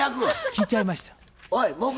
聞いちゃいました。